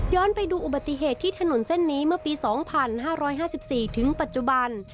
ไปดูอุบัติเหตุที่ถนนเส้นนี้เมื่อปี๒๕๕๔ถึงปัจจุบัน